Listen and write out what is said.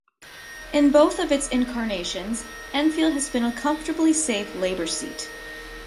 In both of its incarnations, Enfield has been a comfortably safe Labor seat.